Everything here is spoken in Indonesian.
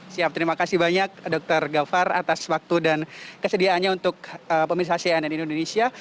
siap terima kasih banyak dokter gafar atas waktu dan kesediaannya untuk pemirsa cnn indonesia